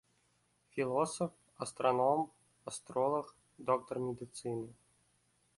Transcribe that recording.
Філосаф, астраном, астролаг, доктар медыцыны.